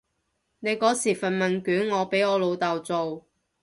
你嗰時份問卷我俾我老豆做